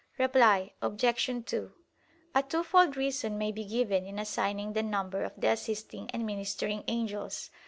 Reply Obj. 2: A twofold reason may be given in assigning the number of the assisting and ministering angels.